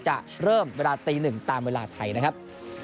จะเริ่มเวลาตี๑ตามเวลาไทยนะครับ